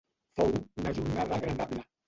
Fou una jornada agradable